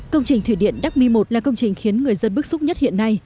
công trình thủy điện đắc mi một là công trình khiến người dân bức xúc nhất hiện nay